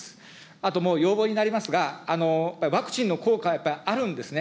あともう要望になりますが、ワクチンの効果、やっぱりあるんですね。